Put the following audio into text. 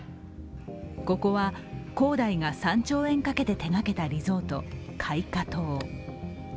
ここは恒大が３兆円かけて手がけたリゾート、海花島。